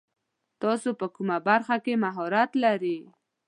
تاسو په کومه برخه کې مهارت لري ؟